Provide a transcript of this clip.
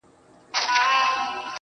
او علم بیا له «فعال عقل» سره